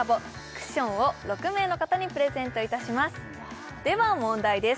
クッションを６名の方にプレゼントいたしますでは問題です